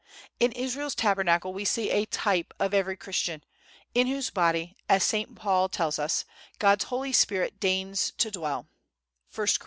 In Israel's Tabernacle we see a TYPE of every Christian, in whose body, as St. Paul tells us, God's Holy Spirit deigns to dwell (1 Cor.